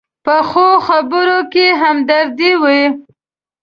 پخو خبرو کې همدردي وي